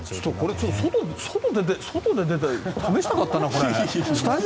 これ外出て試したかったな。